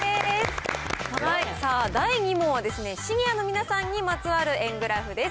さあ、第２問はシニアの皆さんにまつわる円グラフです。